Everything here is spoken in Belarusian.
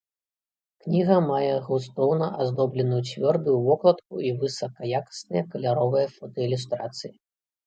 Кніга мае густоўна аздобленую цвёрдую вокладку і высакаякасныя каляровыя фотаілюстрацыі.